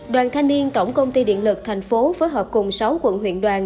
đoàn thanh niên tổng công ty điện lực tp hcm phối hợp cùng sáu quận huyện đoàn